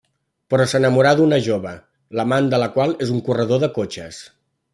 Però s'enamorarà d'una jove l'amant de la qual és un corredor de cotxes.